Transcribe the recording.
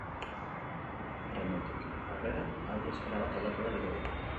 Hirugarrenetik aurrera, aldiz, erabat aldatu da gidoia.